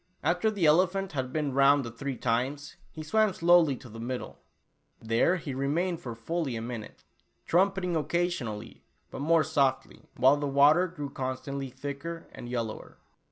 After the elephant had been round the three times, he swam slowly to the middle. There he remained for fully a minute, trumpeting occasionally, but more softly, while the water grew constantly thicker and yellower.